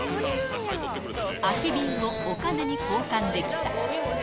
空き瓶をお金に交換できた。